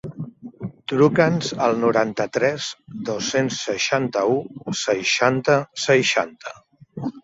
Truca'ns al noranta-tres dos-cents seixanta-u seixanta seixanta.